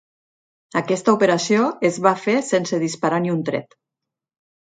Aquesta operació es va fer sense disparar ni un tret.